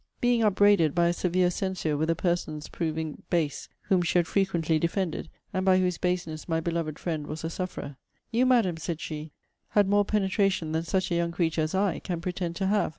Being upbraided, by a severe censure, with a person's proving base, whom she had frequently defended, and by whose baseness my beloved friend was a sufferer; 'You, Madam,' said she, 'had more penetration than such a young creature as I can pretend to have.